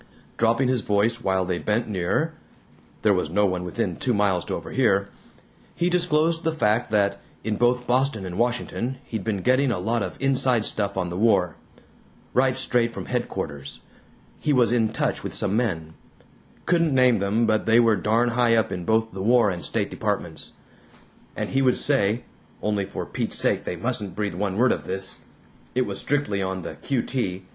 Dropping his voice while they bent nearer (there was no one within two miles to overhear), he disclosed the fact that in both Boston and Washington he'd been getting a lot of inside stuff on the war right straight from headquarters he was in touch with some men couldn't name them but they were darn high up in both the War and State Departments and he would say only for Pete's sake they mustn't breathe one word of this; it was strictly on the Q.T.